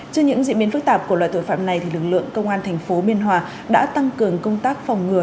trên những diễn biến phức tạp của loại tội phạm này lực lượng công an thành phố biên hòa đã tăng cường công tác phòng ngừa